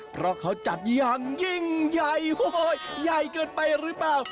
เพราะเขาจัดอย่างยิ่งใหญ่ใหญ่เกินไปหรือเปล่า